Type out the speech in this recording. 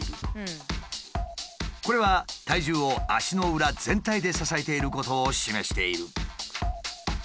これは体重を足の裏全体で支えていることを示している。